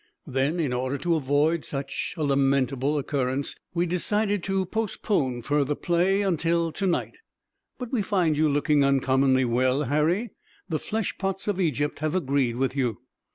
Then, in order to avoid such a lamentable occurrence, we decided to postpone further play until to night. But we find you looking uncommonly well, Harry. The flesh pots of Egypt have agreed with you."